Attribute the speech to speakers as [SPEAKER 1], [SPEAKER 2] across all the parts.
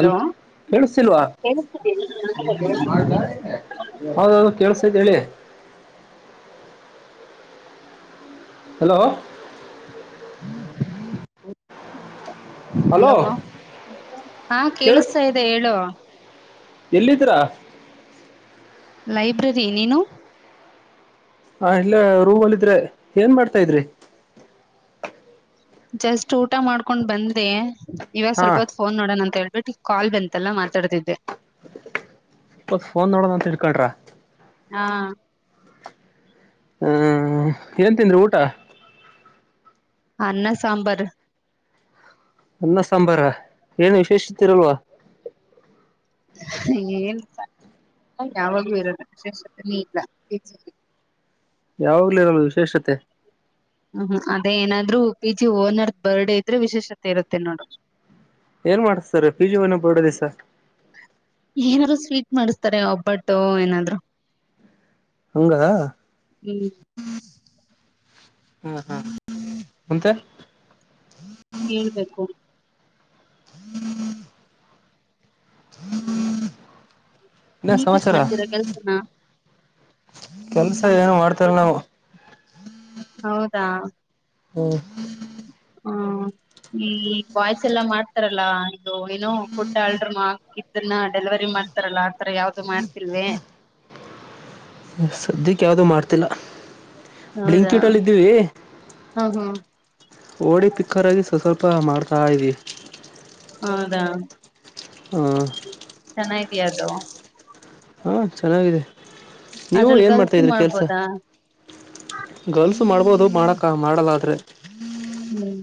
[SPEAKER 1] ಅಲ್
[SPEAKER 2] ಹಲೋ
[SPEAKER 1] ಕೇಳಸಲ್ವಾ ಹೌದದು ಕೆಳಸ್ತೈತೇ ಹೇಳಿ ಹಲೋ
[SPEAKER 2] ಹಲೋ ಹಾ ಕೇಳಿಸ್ತಾ ಇದೆ ಹೇಳು
[SPEAKER 1] ಎಲ್ಲಿದ್ದ್ರಾ
[SPEAKER 2] ಲೈಬ್ರರಿ ನೀನು
[SPEAKER 1] ಹ ಇಲ್ಲೆ ರೂಮ್ ಅಲ್ಲಿದ್ರೆ ಏನ್ ಮಾಡ್ತಾ ಇದ್ರಿ
[SPEAKER 2] ಜಸ್ಟ್ ಊಟ ಮಾಡ್ಕೊಂಡ್ ಬಂದೆ ಇವಾಗ ಸ್ವಲ್ಪ
[SPEAKER 1] ಹಾಂ
[SPEAKER 2] ಹೊತ್ ಪೋನ್ ನೋಡೋನಾ ಅಂತ ಹೇ ಬಟ್ ಈ ಕಾಲ್ ಬಂತಲ್ಲ ಮಾತಾಡ್ತಿದ್ದೆ
[SPEAKER 1] ಹೊ ಫೋನ್ ನೋಡೋಣಂತ ಹಿಡ್ಕೊಂಡ್ರಾ
[SPEAKER 2] ಹಾ
[SPEAKER 1] ಹ್ಮ ಎನೇನ್ಂತಿಂದ್ರಿ ಊಟ
[SPEAKER 2] ಅನ್ನ ಸಾಂಬಾರ
[SPEAKER 1] ಅನ್ನ ಸಾಂಬಾರ ಏನು ವಿಶೇಷತಿರಲ್ವಾ
[SPEAKER 2] ಏನ್ ಯಾವಾಗೂ ಇರದ ವಿಶೇಷತೆ ನೀ ಇಲ್ಲ
[SPEAKER 1] ಯಾವಾಗ್ಲಿರಲ್ಲ ವಿಶೇಷತೆ
[SPEAKER 2] ಹ್ಮ್ ಹ್ಮ್ ಅದೇ ಏನಾದ್ರು ಪಿ ಜಿ ಓನರ್ ಬರ್ಡೆ ಇದ್ರೆ ವಿಶೇಷತೆ ಇರುತ್ತೆ ನೋಡು
[SPEAKER 1] ಏನ್ ಮಾಡಸ್ತಾರೆ ಪಿಜೀವೋನರ್ ಬರ್ಡೆ ದಿವಸ
[SPEAKER 2] ಮಾಡಸ್ತಾರೆ ಒಬ್ಬಟ್ಟು ಏನಾದ್ರು
[SPEAKER 1] ಹಂಗಾ
[SPEAKER 2] ಹ್ಮ್
[SPEAKER 1] ಹ್ಮ ಹ್ಮ ಎಂತ
[SPEAKER 2] ಹೇಳ್ಬೇಕು
[SPEAKER 1] ಇನ್ನೇನು
[SPEAKER 2] ನೀವೇನ್ ಮಾಡ್ತೀರಾ ಕೆಲ್ಸನಾ
[SPEAKER 1] ಕೆಲ್ಸ ಏನು ಮಾಡ್ತಾರ ನಾವು
[SPEAKER 2] ಹೌದಾ
[SPEAKER 1] ಹ್ಮ
[SPEAKER 2] ಹ್ಮ ಈ ಬಾಯ್ಸ್ ಎಲ್ಲಾ ಮಾಡ್ತಾರಲ್ಲಾ ಇದು ಏನು ಫುಡ್ ಆಡ್ರ ಹಾಕಿದನ್ನ ಡೆಲಿವರಿ ಮಾಡ್ತಾರ ಅಲಾ ಆತರ ಯಾವ್ದ ಅದು ಮಾಡ್ತಿಲ್ವೇ
[SPEAKER 1] ಸದ್ಯಕ್ಕೆ ಯಾವುದು ಮಾಡ್ತಿಲ್ಲ
[SPEAKER 2] ಹೌದಾ
[SPEAKER 1] ಬ್ಲಿಂಕಿಟ್ ಅಲ್ಲಿ ಇದ್ದೀವಿ
[SPEAKER 2] ಹಾ ಹಾ
[SPEAKER 1] ಓಡಿ ಪಿಕ್ಕರಾಗಿ ಸೊಸಲ್ಪ ತಪ್ಪ ಮಾಡ್ತಾ ಇದೀವಿ
[SPEAKER 2] ಹೌದಾ
[SPEAKER 1] ಹ
[SPEAKER 2] ಚೆನಗಿದಿಯ ಅದು
[SPEAKER 1] ಹಾ ಚೆನ್ನಾಗಿದೆ ನೀವು
[SPEAKER 2] ಅದ್ರಲ್ಲಿ
[SPEAKER 1] ಏನ್ ಮಾಡ್ತಾ
[SPEAKER 2] ಗಲ್ಸು
[SPEAKER 1] ಇದ್ರಿ ಕೆಲ್ಸಾ
[SPEAKER 2] ಮಾಡ್ಬೋದಾ
[SPEAKER 1] ಗರ್ಲ್ಸ್ ಅ ಮಾಡ್ಬೋದು ಮಾಡೋಕ ಮಾಡಲಾದ್ರೆ
[SPEAKER 2] ಹ್ಮ್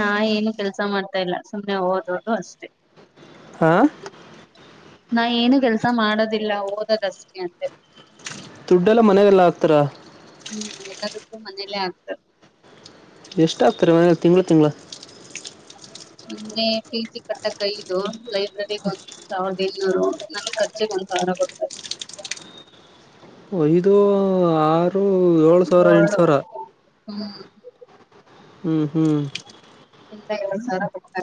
[SPEAKER 2] ನಾ ಏನು ಕೆಲ್ಸ ಮಾಡ್ತಾ ಇಲ್ಲ ಸುಮ್ನೆ ಓದೋದು ಅಷ್ಟೇ
[SPEAKER 1] ಹಾ
[SPEAKER 2] ನಾ ಏನು ಕೆಲ್ಸ ಮಾಡೋದಿಲ್ಲ ಓದದಷ್ಟೇ ಅಂತೆ
[SPEAKER 1] ದುಡ್ಡೆಲ್ಲ ಮನೆದೆಲ್ಲಾ ಆಕ್ತಾರ
[SPEAKER 2] ಹ್ಮ್ ಎಲ್ಲದಕ್ಕೂ ಮನೇಲ್ಲೇ ಆಗ್ತದೆ
[SPEAKER 1] ಎಷ್ಟಾಗ್ತಾರೆ ಮನ ತಿಂಗಳು ತಿಂಗಳ
[SPEAKER 2] ಮನ್ನೆ ಪಿ ಜಿ ಕಟ್ಟಕ್ ಐದು ಲೈಬ್ರರಿಗ್ ಒಂದ ಸಾವಿರದ ಏಳ್ನೂರು ನನ್ ಖರ್ಚಿಗೆ ಒಂದ್ ಸಾವಿರ ಕೊಡ್ತರೆ
[SPEAKER 1] ಐದು ಆರ್ ಅವರು ಏಳು ಸಾವಿರ ಎಂಟು ಸಾವಿರ
[SPEAKER 2] ಹ್ಮ
[SPEAKER 1] ಹ್ಮ್ ಹ್ಮ್
[SPEAKER 2] ಇಲ್ಲ ಎಳ ಸಾರ ಕೊತ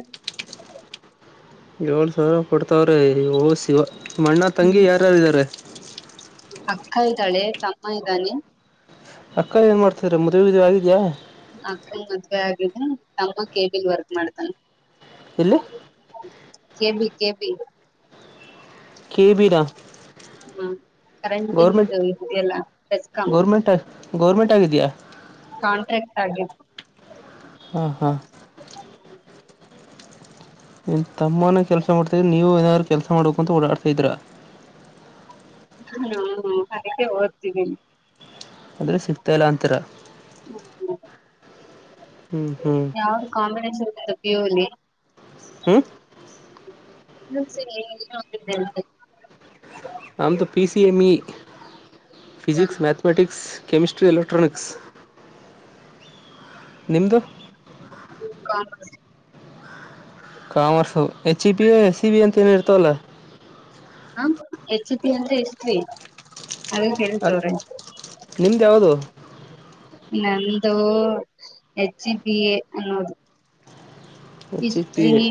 [SPEAKER 1] ಏಳ್ ಸರ ಪಡ್ತಾವ್ರೆ ಅಯ್ಯೋ ಶಿವ ಅಣ್ಣ ತಂಗಿ ಯಾರ್ಯಾರಿದರೆ
[SPEAKER 2] ಅಕ್ಕ ಇದ್ದಾಳೆ ತಮ್ಮ ಇದ್ದಾನೆ
[SPEAKER 1] ಅಕ್ಕ ಏನ್ ಮಾಡ್ತ್ರ ಮದುವಿದ ಆಗಿದ್ಯಾಾ
[SPEAKER 2] ಅಕ್ಕ ಮದ್ವೆ ಆಗಿದ ತಮ್ಮ ಕೇಬಿಲ್ ವರ್ಕ್ ಮಾಡ್ತಾನ
[SPEAKER 1] ಎಲ್ಲಿ
[SPEAKER 2] ಕೆಬಿ ಕೆಬಿ
[SPEAKER 1] ಕೆ ಬಿರ
[SPEAKER 2] ಹ್ಮ ಕರೆಂಟ್ ಇ ಇದಲ್ಲಸ್ಕ
[SPEAKER 1] ಹಗಿದೆಯಾ
[SPEAKER 2] ಕಾಂಟ್ರಾಕ್ಟ್ ಆಗಿದ್
[SPEAKER 1] ಹಾ ಹಾ
[SPEAKER 2] [unintelligible]
[SPEAKER 1] ನೀನು ತಮ್ಮನ ಕೆಲಸ ಮಾಡ್ತಾಯಿ ನೀವು ಏನಾದ್ರು ಕೆಲಸ ಮಾಡ್ಬೇಕು ಅಂತ ಓಡಾಡ್ತಾ ಇದೀರ
[SPEAKER 2] ಹ್ಮ ಹಾಗದಕ್ಕೆೆ ಓದ್ತಿದ್ದೀನ
[SPEAKER 1] ಆದ್ರೆ ಸಿಗ್ತಾಯ ಇಲ್ಲ ಅಂತರ
[SPEAKER 2] ಯಾವ ಕಾಮಿಡ ಸಿಗ್ತದೆ ಪಿಯು ಲಿ
[SPEAKER 1] ಹ್ಮ
[SPEAKER 2] ಹ ಸರಿ
[SPEAKER 1] ನಮ್ಮದು P C M E physics mathematics chemistry electronics ನಿಮ್ದು
[SPEAKER 2] ಕ
[SPEAKER 1] commerce H C B S C B ಅಂತ ಏನ ಇರ್ತಲ್ಲ
[SPEAKER 2] ಎಚ್ತಿ ಅಂದ್ರೆ ಎಷ್ಟೀ ಅದನ್ ಹೇಳ್ತವ್ರಿ
[SPEAKER 1] ಯೌದು
[SPEAKER 2] ನಂದು ಹೆಚ್ ಸಿ ಬಿ ಎ ಅನ್ನೋದು
[SPEAKER 1] ಎಚ್ ಇ ಪಿ
[SPEAKER 2] ಇಷ್ಟ್ರೀ
[SPEAKER 1] ಎ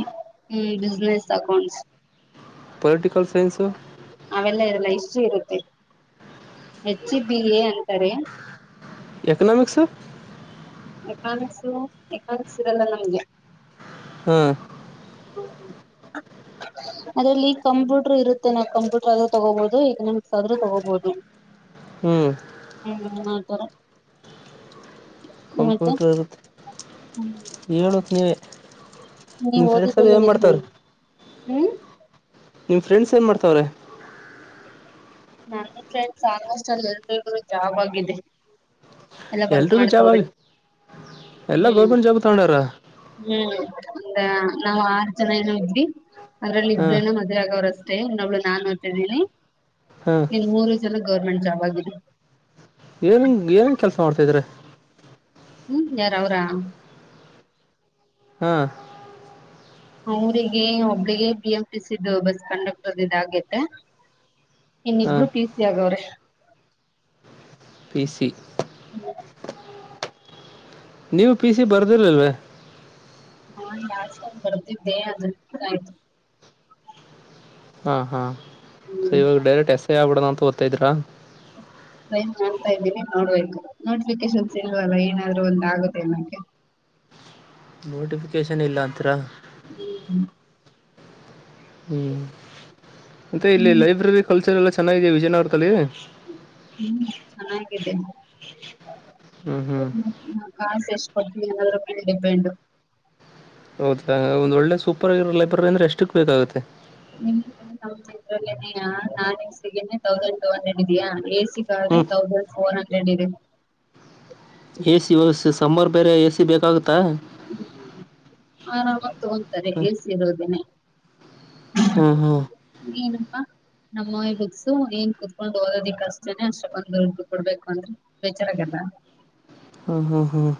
[SPEAKER 2] ಹ್ಮ [inaudible] ಬಿಸಿನೆಸ್ ಅಕೌಂಟ್ಸ್
[SPEAKER 1] ಪೊಲಿಟಿಕಲ್ ಸೈನ್ಸ್
[SPEAKER 2] ಅವೆಲ್ಲ ಇರಲ್ಲ ಇಷ್ಟು ಇರುತ್ತೆ ಹೆಚ್ ಬಿ ಎ ಅಂತಾರೆ
[SPEAKER 1] ಎಕನಾಮಕ್ಸ್
[SPEAKER 2] ಏಕಾನ್ಸು ಕಾನ್ಸ ಇರಲ್ಲ ನಮ್ಗೆ
[SPEAKER 1] ಹ್ಮ್
[SPEAKER 2] ಅದ್ರಲ್ಲಿ ಕಂಪ್ಯೂಟರ್ ಇರುತ್ತೆ ನ ಕಂಪ್ಯೂಟರ್ ಆದ್ರೂ ತಗೋಬಹುದು ಎಕನಾಮಿಕ್ಸ್ ಆದ್ರೂ ತಗೋಬಹುದು
[SPEAKER 1] ಹ್ಞೂ
[SPEAKER 2] ಹ್ಮ ಮಾಡತ
[SPEAKER 1] ಕಂಪ್ಯೂಟ್ರ ಇರುತ್ತೆ ಹೇಳುತ್ತೆ ನೀವೆ ನಿಮ
[SPEAKER 2] ನೀವ್
[SPEAKER 1] ಫ್ರೆಂಡ್ಸ್ ಎಲ್ಲ
[SPEAKER 2] ಓದಿದ್ದೆಲ್ಲ
[SPEAKER 1] ಏನ್
[SPEAKER 2] ಎಲ್ಲಿ
[SPEAKER 1] ಮಾಡ್ತವ್ರ
[SPEAKER 2] ಹ್ಮ್
[SPEAKER 1] ನಿಮ್ಮ ಫ್ರೆಂಡ್ಸ್ ಏನು ಮಾಡ್ತಾವ್ರೆ
[SPEAKER 2] ನನ್ನ ಫ್ರೆಂಡ್ ಸಾಕಷ್ಟಲ್ಲಿ ಎಲ್ರು ಜಾಬ್ ಆಗಿದೆ ಎಲ್ಲ ವರ್ಕ್
[SPEAKER 1] ಎಲ್ರಿಗೂ ಜಾಬ್ ಆಗ
[SPEAKER 2] ಮಾಡ್ತವ್ರೆ
[SPEAKER 1] ಎಲ್ಲಾ
[SPEAKER 2] ಹ್ಮ್
[SPEAKER 1] ಗೌರ್ಮೆಂಟ್ ಜಾಬ್ ತಗೊಂಡಾರ
[SPEAKER 2] ಅದ ನಾವ್ ಆರ್ ಜನ ಏನು ಇದ್ವಿ ಅದ್ರಲ್ಲಿ
[SPEAKER 1] ಹಾಂ
[SPEAKER 2] ಇಬ್್ರೇನ ಮುವೆ ಆಗೋ ರಸ್ ಮತ್ತೆ ಇನ್ನೊಬ್ಳು ನಾನನ್ ತಿದ್ದೀನಿ
[SPEAKER 1] ಹಾಂ
[SPEAKER 2] ಎಲ್ಲಿ ಮೂರು ಸಲ ಗವರ್ಮೆಂಟ್ ಜಾಬ್ ಆಗಿದೆ
[SPEAKER 1] ಏನನ್ ಏನನ್ ಕೆಲ್ಸ ಮಾಡ್ತಿದಾರಾ
[SPEAKER 2] ಹ್ಮ್ ಯಾರ ಅವ್ರಾ
[SPEAKER 1] ಹಾ
[SPEAKER 2] ಅವರಿಗೆ ಒಬ್ಬಳಿಗೆ ಬಿಎಂಟಿಸಿ ಬಸ್ ಕಂಡಕ್ಟರ್ ಹಾಗಿದೆ ಇನೂ
[SPEAKER 1] ಹಾಂ
[SPEAKER 2] ಇಬ್ಬರು ಟಿಸಿ ಹಾಗಿದೆ
[SPEAKER 1] ಪಿ ಸಿ
[SPEAKER 2] [unintelligible]
[SPEAKER 1] ನೀವು ಪಿ ಸಿ ಬರ್ದಿರಲ್ವ
[SPEAKER 2] ನಾನಲಾಸ್ಟ್ ಟೈಮ್ ಬಂದಿದ್ದ ಅದ ಫೇಲ್ ಆಯ್ತು
[SPEAKER 1] ಹಾ ಹಾ
[SPEAKER 2] ಹ್ಮ್
[SPEAKER 1] ಸವಾಗ ಡೈರೆಕ್ಟ್ [unintelligible] ಆಗ್ಬಿಡ ಅಂತ ಓದತಾ ಇದ್ರಾ
[SPEAKER 2] ಓದತ್ತಾ ಇದ್ದೀನಿ ನೋಡ್ಬೇಕು ನೋಟಿಫಿಕೇಶನ್ಸ್ ಇಲ್ವಲ್ಲ ಏನಾದ್ರು ಒಂದ ಆಗುತ್ತೆ ಅನಕ್ಕೆ
[SPEAKER 1] ನೋಟಿಫಿಕೇಶನ್ ಇಲ್ಲ ಅಂತಿರ
[SPEAKER 2] ಹ್ಮ್ ಹ್ಮ
[SPEAKER 1] ಹ್ಮ್ ಮತ್ತೆ ಇಲ್ಲಿ
[SPEAKER 2] ಹ್ಮ್
[SPEAKER 1] ಲೈಬ್ರರಿ ಕಲ್ಚರ್ ಎಲ್ಲ ಚೆನ್ನಾಗಿದೆ ವಿಜಯನಗರದಲ್ಲಿ
[SPEAKER 2] ಇದೆ
[SPEAKER 1] ಹ್ಮ್ ಹ್ಮ್
[SPEAKER 2] ಕಾಸ ಎಷ್ಟು ಕೊಡ್ತನ ಏನಾದ್ರೂ ಮೇಲೆ ಡಿಪೆಂಡ್
[SPEAKER 1] ಹೌದಾ ಒಂದ ಒಳ್ಳೆ ಸೂಪರ್ಗಿರೋ ಲೈಬ್ರರಿ ಅಂದ್ರೆ ಎಷ್ಟಕ್ ಬೇಕಾಗುತ್ತೆ
[SPEAKER 2] ನಿ ಇದ್ರಲ್ಲೇ ನಾನ್ಸ ತೌಸಂಡ್ ಟ ಹಂಡ್ರೆಡ್ ಇದಯಾ
[SPEAKER 1] ಹ್ಞೂ
[SPEAKER 2] ಶಿಕಾರಿ ತೌಸಂಡ ಫೋರ್ ಹಂಡ್ರ ಎಲ್ಲಿದೆ
[SPEAKER 1] ಎ ಸಿ ವ್ಯಸ್ೆ ಸಂಬಾರು ಬೇರೆ ಎ ಸಿ ಬೇಕಾಗುತ್ತಾ
[SPEAKER 2] ಹ್ಮ್ ಹ ತೋಂತಾರೆ ಎಏಸರುೋದಿನ
[SPEAKER 1] ಹ್ಮ ಹ್ಮ್
[SPEAKER 2] ನಮ್ಮಿ ಬುಕ್ಸು ಏನ್ ಕುೂತ್ಕೊಂಡು ಓದೋದಿಕ್ ಅಷ್ಟೇನೆ ಅಷ್ಟಕ್ಕೊಂದು ದುಡ್ಡು ಕೊಡ್ಬೇಕು ಅಂದ್ರ ಬೇಜಾರಾಗಲ್ವಾ
[SPEAKER 1] ಹ್ಮ ಹ್ಮ ಹ್ಮ್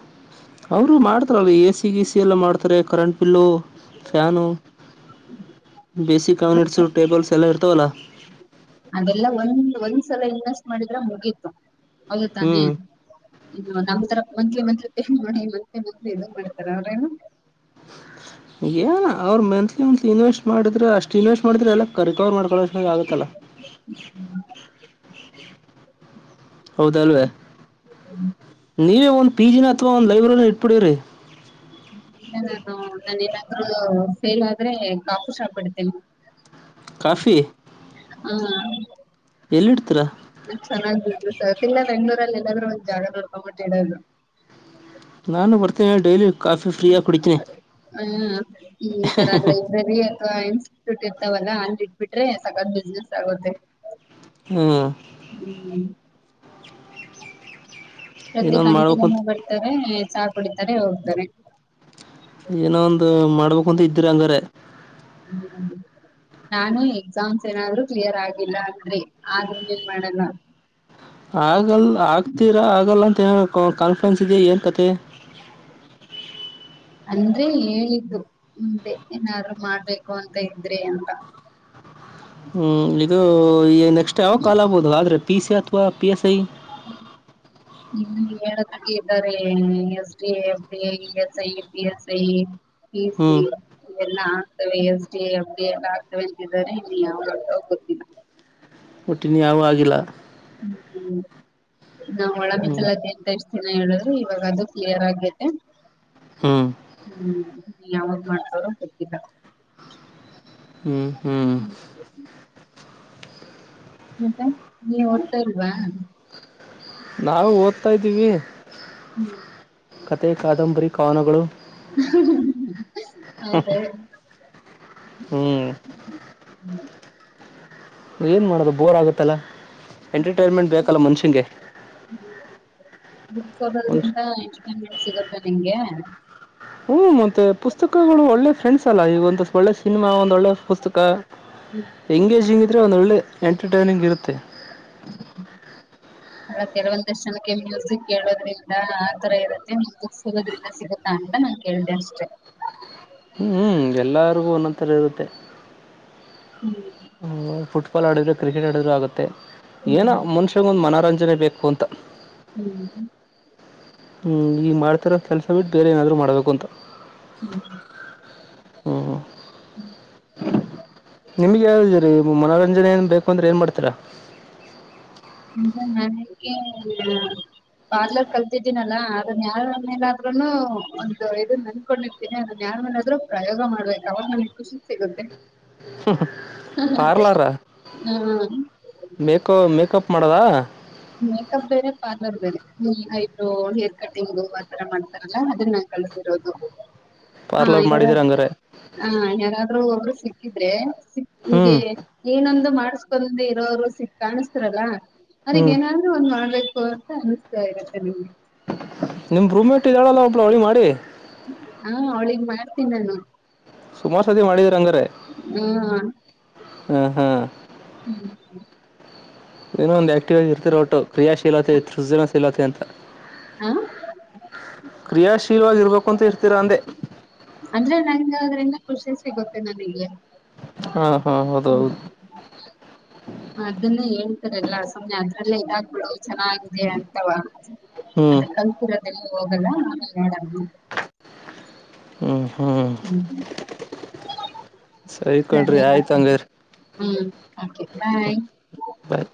[SPEAKER 1] ಅವರು ಮಾಡ್ತಾರಲ್ಲ ಎ ಸಿ ಗೀಸಿ ಎಲ್ಲ ಮಾಡ್ತಾರೆ ಕರೆಂಟ್ ಬಿಲ್ಲು ಫ್ಯಾನ ಬೇಸಿಕ್ ಕನಿಟ್ಸ್ ಟೇಬಲ್ ಎಲ್ಲ ಇರ್ತವಲ್ಲ
[SPEAKER 2] ಅದೆಲ್ಲ ಒಂದ ಒಂದ್ಸಲ ಇನ್ವೆಸ್ಟ್ ಮಾಡಿದ್ರೆ ಮುಗೀತು ಹೌದು ತಾನೆ
[SPEAKER 1] ಹ್ಮ್
[SPEAKER 2] ಇನ್ನು ನಮ್ತರ ಮಂತ್ಲಿ ಮಂತ್ಲಿ ಪೇ ಮಾಡಿ ಮಂತ್ಲಿ ಮಂತ್ಲಿ ಎದು ಮಾಡ್ತಾರ ಅವ್ರೇನ
[SPEAKER 1] ಏನ ಅವರು ಮಂತ್ಲಿ ಮಂತ್ಲಿ ಇನ್ವೆಸ್ಟ್ ಮಾಡ ಷ್ಟ ಇನ್ವೆಸ್ ಮಾಡ್ರ ಎಲ್ಲ ರಿಕವರ್ ಮಾಡಕೋ ಆಗತ್ತಲ್ಲ ಹೌದಲ್ವೇ ನೀವೇ ಒಂದ್ ಪಿಜಿ ನ ಅಥವಾ ಒಂದ್ ಲೈಬ್ರರಿನ ಇಟ್ಟುಬಿಡಿರಿ
[SPEAKER 2] ಇಲ್ಲ ನಾನು ನಾನ ನಾದ್ರೂ ಫೇಲ್ ಆದ್ರೆ ಕಾಫು ಶಾಪ್ ಇಡ್ತೇನೆ
[SPEAKER 1] ಕಾಫಿ ಎಲ್ಲಿಡ್ತೀರಾ
[SPEAKER 2] ಚೆನ್ನಾಗ್ ಸತಿ ಇಲ್ಲ ಬೆಂಗ್ಗಳೂರಲ್ಲಿ ಎಲ್ಲಾದ್ರೂ ಒಂದ್ ಜಾಗ ನೋಡ್ಕೊಂಬಟ್ಟು ಇಡುವುದು
[SPEAKER 1] ನಾನು ಬರ್ತೀನಿ ಡೈಲಿ ಕಾಫಿ ಫ್ರೀಯಾಗಿ ಕುಡಿತೀನಿ
[SPEAKER 2] ಹ ಈ ಈ ತರ ಎಲ್ಲ ಇಬ್ರರಿ ಇನ್ಸ್ಟಿಟ್ಯೂಟ್ ಇರ್ತವಲ್ಲ ಅಲ್ಲಿ ಇಟ್ಬಿಟ್ರೆ ಸಕತ್ ಬಿಸ್ನೆಸ್ ಆಗುತ್ತೆ
[SPEAKER 1] ಹ್ಮ್
[SPEAKER 2] ಹ್ಮ್ ಪ್ರತಿ
[SPEAKER 1] ಏನೊಂದು ಮಾಡ್ಬೇಕು ಅಂತ
[SPEAKER 2] ಗಂಟೆಗಮ್ಮಿ ಬರ್ತಾರೆ ಚಾ ಕುಡಿತಾರೆ ಹೋಗ್ತಾರೆ
[SPEAKER 1] ಏನೋ ಒಂದು ಮಾಡ್ಬೇಕು ಅಂತ ಇದ್ರ ಅಂದ್ರೆ
[SPEAKER 2] ಹ್ಮ್ ನಾನು ಎಕ್ಸಾಮ್ಸ್ ಏನಾದ್ರರು ಕ್ಲಿಯರ್ ಆಗಿಲ್ಲ ಅಂದ್ರೆ ಆದ್ರಂಗ ಏನ್ ಮಾಡಲ್ಲ
[SPEAKER 1] ಆಗಲ್ ಆಗ್ತೀರಾ ಆಗಲ್ಲ ಕಾಫ್ರನ್ಸ್ ಇದೆ ಏನ್ ಕತೆೆ
[SPEAKER 2] ಅಂದ್ರೆ ಹೇಳಿದ್ದು ಮುಂದೆ ಏನಾದರು ಮಾಡ್ಬೇಕು ಅಂತ ಇದ್ರೆ ಅಂತ
[SPEAKER 1] ಹ್ಮ್ ಇದು ಏನ ನೆಕ್ಸ್ಟ್ ಯಾವಾಗ ಕಾಲ ಆಬಹುದು ಆದ್ರೆ ಪಿಸಿಯ ವ
[SPEAKER 2] ಇನ್ನು [unintelligible] [unintelligible] ಇದ್ದರೆ S D F B E S I P S I ಈ
[SPEAKER 1] ಹ್ಮ್
[SPEAKER 2] ಎಲ್ಲ ಆಗ್ತವೆ ಯಸ್ ಡಿ ಫ ಬಿ ಎಲ್ಲ ಆಗ್ತವೆ ಅಂತಿದ್ದರೆ ಇಲ್ಲಿ ಯಾವಂತ ಗೊತ್ತಿಲ್ಲ
[SPEAKER 1] ಒಟ್ಟಿನ ಯಾವಾಗಿಲ್ಲ
[SPEAKER 2] ಹ್ಮ ಹ್ಮ ನಾವ್ ಒಳ
[SPEAKER 1] ಹ್ಮ್
[SPEAKER 2] ಮೀಸಲಾತಿ [unintelligible] ಏನೇ ಹೇಳುದ್ರು ಇವಾಗದು ಕ್ಲಿಯರ್ ಆಗ್ಯತೆ.
[SPEAKER 1] ಹ್ಮ್
[SPEAKER 2] ಹ್ಮ್ ಯಾವಾಗ್ ಮಾಡ್ತಾರೋ ಗೊತ್ತಿಲ್ಲ.
[SPEAKER 1] ಹ್ಮ್ ಹ್ಮ್
[SPEAKER 2] ಮತ್ತೆ ನೀ ಹೊರಟಿಲ್ವಾ?
[SPEAKER 1] ನಾವು ಓದ್ತಾಯಿದ್ದೀವಿ.
[SPEAKER 2] ಹ್ಮ್
[SPEAKER 1] ಕತೆೆ ಕಾದಂಬರಿ ಕಾನವಗಳು.
[SPEAKER 2] ಹೌದೆ.
[SPEAKER 1] ಹ್ಮ್
[SPEAKER 2] ಹ್ಮ್
[SPEAKER 1] ಏನ್ ಮಾಡೋದು ಬೋರ್ ಆಗತ್ತಲ್ಲಾ ಎಂಟರ್ಟೈನ್ಮೆಂಟ್ ಬೇಕಲ್ಲ ಮನ್ಷ್ಯಂಗೆ
[SPEAKER 2] ಮುಕ್ಸೋರದಿಂದ ಆಯ [unintelligible] ಸಿಗುತ್ತ ನಿಂಗೆ?
[SPEAKER 1] ಹ್ಮ್ ಮತ್ತೆ ಪುಸ್ತಕಗಳು ಒಳ್ಳೆ ಫ್ರೆಂಡ್ಸ್ ಅಲ್ಲ. ಈ ಒಂದು ಒಳ್ಳೆ ಸಿನಿಮಾ ಒಂದ ಒಳ್ಳೆ ಪುಸ್ತಕ.
[SPEAKER 2] ಹ್ಮ್
[SPEAKER 1] ಎಂಗ ಸಿಿ [unintelligible] ರೆ ಒಂದ ಒಳ್ಳೆ ಎಂಟರ್ಟೈನಿಂಗ್ ಇರುತ್ತೆ
[SPEAKER 2] ಅಲ್ಲ ಕೆಲವೊಂದಷ್ಟು ಜನಕ್ಕೆ ಮ್ಯೂಸಿಕ್ ಕೇಳೋದ್ರಿಂದ ಆತರ ಇರುತ್ತೆ ಮ್ಯಸಿಕ್ ಸಿಗೋದ್ರಿಂದ ಸಿಗುತ್ತಾ ಅಂತ ನಾನ್ ಕೇಳ್ದೆ ಅಷ್ಟೆ
[SPEAKER 1] ಹ್ಮ್ ಎಲ್ಲಾರಿಗೂ ಒಂದೊಥರ ಇರುತ್ತೆ. [unintelligible] ಪೋಲೋ ಆಡುದ್ರು ಕ್ರಿಕೆಟ್ ಆಡಿದರೂ ಆಗುತ್ತೆ. ಏನೋ
[SPEAKER 2] ಹ್ಮ್
[SPEAKER 1] ಮನುಷ್ಯ ಒಂದ ಮನ. ರಂಜನೆ ಬೇಕು ಅಂತ.
[SPEAKER 2] ಹ್ಮ್
[SPEAKER 1] ಹ್ಮ್ ಈ ಮಾಡ್ತಿರ ಕೆಲ್ಸ ಬಿಟ್ ಬೇರೆ ಏನಾದ್ರು ಮಾಡ್ಬೇಕು ಅಂತ
[SPEAKER 2] ಹ್ಮ್
[SPEAKER 1] ಹ್ಞೂ
[SPEAKER 2] ಹ್ಮ
[SPEAKER 1] ನಿಮ್ಗೆ [unintelligible] ಮನೋರಂಜನೆ ಏನ್ ಬೇಕು ಅಂದ್ರೆ ಏನ್ ಮಾಡ್ತೀರ
[SPEAKER 2] ಈಗ ನನಗೆ ಪಾರ್ಲರ್ ಕಲ್ತಿದ್ದೀನಲ್ಲಾ ಅದನ್ಯಾರ ಮೇಲಾದ್ರನು ಒಂದು ಇದು ನನ್ಕೊಂಡಿರ್ತೀನಿ ಅದು ಯಾರ್ಯನಾದ್ರೂ ಪ್ರಯೋಗ ಮಾಡ್ಬೇಕಕ್ ಅವಾಗ ನನಗ ಖುಷಿ ಸಿಗುತ್ತೆ
[SPEAKER 1] ಪಾರ್ಲಾರ
[SPEAKER 2] ಹ
[SPEAKER 1] ಮೇಕ ಮೇಕಪ್ ಮಾಡೋದ
[SPEAKER 2] ಮೇಕಪ್ ಬೇರೆ ಪಾರ್ಲರ್ ಬೇರೆ ಈ ಐಬ್ರೋ ಹೇರ್ ಕಟಿಂಗು ಆತರ ಮಾಡ್ತಾರಲ್ಲ ಅದನ್ನ ನ ಕಳಸಿರೋದು ಹಾ
[SPEAKER 1] ಪಾರ್ಲರ್ ಮಾಡಿದಿರ
[SPEAKER 2] ಯಾರಾದ
[SPEAKER 1] ಹಂಗಾರೆ
[SPEAKER 2] ಹ ಯಾರಾದ್ರೂ ಹ ಸಿಕ್ಕಿದ್ರೆ
[SPEAKER 1] ಹ್ಞೂ
[SPEAKER 2] ಹಗೆ ಏನಂದು ಮಾಡ ಸ್ಕಲ್ದ ಇರೋರು ಸಿಕ್ಕ ಕಾಣಿಸತರಲ್ಲ
[SPEAKER 1] ಹ್ಞೂ
[SPEAKER 2] ಅ್ರಗ ಏನಾದ್ರೂ ಒಂದ್ಬೇಕು ಹೊತ ಅನ್ನಿಸ್ತಾ ಇರುತ್ತೆ ನಿಮ್ಗೆ
[SPEAKER 1] ನಿಮ್ ರೂಮಿೆಟ್ಟಿದ್ದಾಳಲ್ಲ ಒಬ್ಳ ಅವಳಿ ಮಾಡಿ
[SPEAKER 2] ಹಾ ಅವಳಗ್ ಮಾಡ್ತೀಿ ನಾನು
[SPEAKER 1] ಸುಮಾರು ಸತಿ ಮಾಡಿದ್ರ ಹಂಗರೆ
[SPEAKER 2] ಹಾ
[SPEAKER 1] ಹ ಹಾ
[SPEAKER 2] ಹ್ಮ
[SPEAKER 1] ಇಏನು ಹ ಇರ್ತಿೋ ಒಟ್ಟು ಕ್ರಿಯಾಶೀಲತೆ ಸೃಜನಶೀಲತೆ ಅಂತ
[SPEAKER 2] ಹಾ
[SPEAKER 1] ಕ್ರಿಯಾಶೀಲವಾಗಿರ್ಬೇಕು ಅಂತ ಇರ್ತೀರಾ ಅಂದೆ
[SPEAKER 2] ಅಂದ್ರೆ ನಂಗೆ ಅದ್ರಿಂದ ಖುಷಿ ಸಿಗುತ್ತೆ ನನಗೆ ಹ
[SPEAKER 1] ಹಾಂ ಹಾಂ ಹೌದು ಹೌದು
[SPEAKER 2] ಅದನ್ನೇ ಹೇಳ್ತಾರೆ ಎಲ್ಲಾ ಸಮನೆ ಆದ ಅಲ್ಲೇ ಆಗ್ಬ ಚೆನ್ನಾಗಿದೆ ಅಂತವಾ
[SPEAKER 1] ಹ್ಞೂ
[SPEAKER 2] ಅದ ಕಲ್ ಹೋಗಲ್ಲ ಆಮೇಲೆ ಬೇಡ ಅಂದ್ರು
[SPEAKER 1] ಹ್ಮ್ ಹ್ಮ್ ಸರಿಕಂಡ್ರಿ
[SPEAKER 2] ಸರಿ
[SPEAKER 1] ಆಯ್ತ ಹಂಗರೆ
[SPEAKER 2] ಹ್ಮ್ ಓಕೆ ಬಾಯ್
[SPEAKER 1] ಬಾಯ್